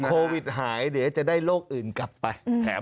โควิดหายเดี๋ยวจะได้โรคอื่นกลับไป